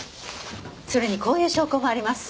それにこういう証拠もあります。